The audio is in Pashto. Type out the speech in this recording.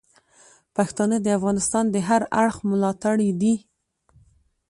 پښتانه د افغانستان د هر اړخ ملاتړي دي.